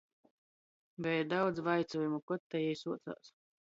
Beja daudz vaicuojumu, kod ta jei suocās.